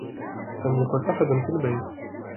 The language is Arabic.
لم يكن أحد في البيت.